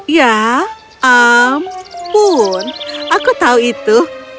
ya ampun aku tahu itu